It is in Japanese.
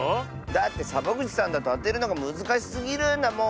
だってサボぐちさんだとあてるのがむずかしすぎるんだもん。